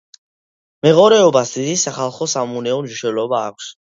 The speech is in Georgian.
მეღორეობას დიდი სახალხო-სამეურნეო მნიშვნელობა აქვს.